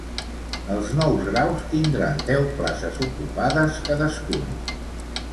Els nous graus tindran deu places ocupades cadascun.